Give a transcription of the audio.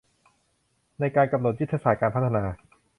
ในการกำหนดยุทธศาสตร์การพัฒนา